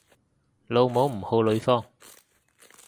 老母唔好呂方